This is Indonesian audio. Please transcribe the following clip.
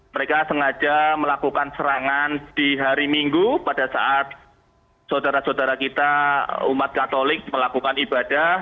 mereka sengaja melakukan serangan di hari minggu pada saat saudara saudara kita umat katolik melakukan ibadah